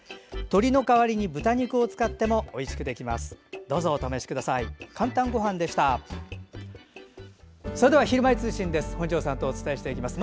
鶏の代わりに豚肉を使ってもおいしくできます。